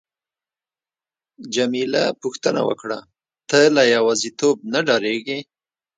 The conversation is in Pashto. جميله پوښتنه وکړه: ته له یوازیتوب نه ډاریږې؟